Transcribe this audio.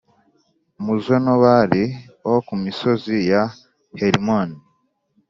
umuzonobari wo ku misozi ya Herimoni.